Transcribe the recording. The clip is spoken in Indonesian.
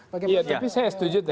tapi saya setuju